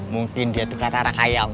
mungkin dia tuh kata rakyong